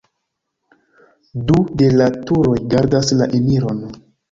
Du de la turoj gardas la eniron.